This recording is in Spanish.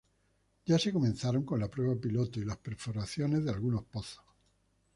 Ya se comenzaron con la prueba piloto y las perforaciones de algunos pozos.